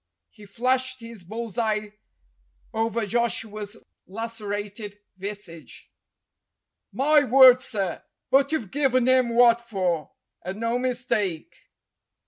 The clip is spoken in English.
He flashed his bull's eye over Joshua's lacerated visage. "My word, sir, but you've given him what for, and no mistake